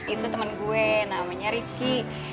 itu temen gue namanya ricky